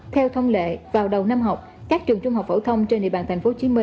theo thông lệ vào đầu năm học các trường trung học phổ thông trên địa bàn tp hcm